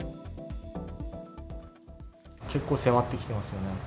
結構迫ってきていますよね。